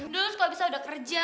terus kalo bisa udah kerja